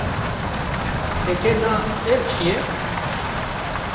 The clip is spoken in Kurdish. Heke na, ev çi ye?